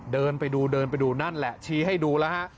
เดินไปดูเดินไปดูนั่นแหละชี้ให้ดูแล้วฮะ